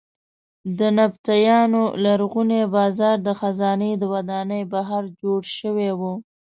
د نبطیانو لرغونی بازار د خزانې د ودانۍ بهر جوړ شوی و.